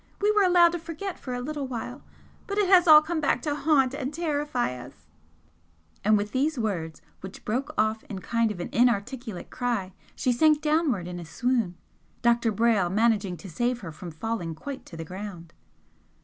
we were allowed to forget for a little while, but it has all come back to haunt and terrify us " And with these words, which broke off in a kind of inarticulate cry, she sank downward in a swoon, Dr. Brayle managing to save her from falling quite to the ground.